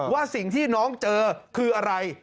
ว่าสิ่งที่น้องเจอคืออะไร